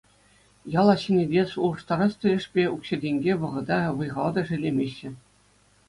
Яла ҫӗнетес, улӑштарас тӗлӗшпе укҫа-тенке, вӑхӑта, вӑй-хала та шеллемеҫҫӗ.